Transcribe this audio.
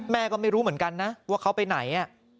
แม่ก็ไม่รู้เหมือนกันนะว่าเขาไปไหน